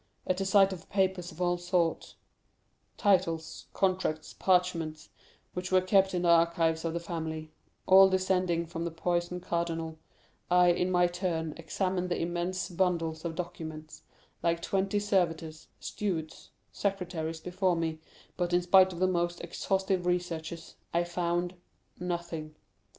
"At the sight of papers of all sorts,—titles, contracts, parchments, which were kept in the archives of the family, all descending from the poisoned cardinal, I in my turn examined the immense bundles of documents, like twenty servitors, stewards, secretaries before me; but in spite of the most exhaustive researches, I found—nothing.